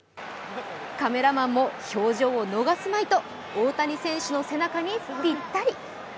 カメラマンも表情を逃すまいと大谷選手の背中にぴったり。